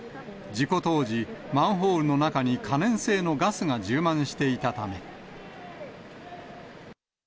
事故当時、マンホールの中に可燃性のガスが充満していたため。